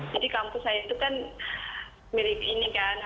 jadi kampus saya itu kan mirip ini kan